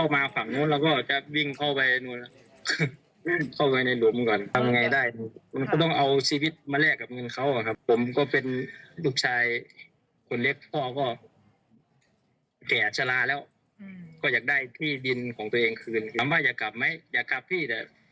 มันก็ต้องเสี่ยงอยู่ครับถ้าเรากลับไปแล้วใครจะหาเงินมาถ่ายที่